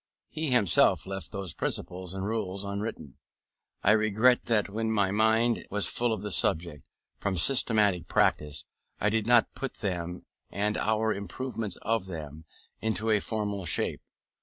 He himself left those principles and rules unwritten. I regret that when my mind was full of the subject, from systematic practice, I did not put them, and our improvements of them, into a formal shape.